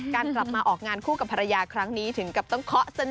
กลับมาออกงานคู่กับภรรยาครั้งนี้ถึงกับต้องเคาะเสนอ